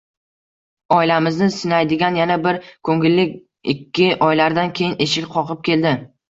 Oilamizni sinaydigan yana bir koʻrgilik ikki oylardan keyin eshik qoqib keldi.